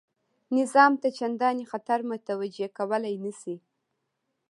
نظام ته چنداني خطر متوجه کولای نه شي.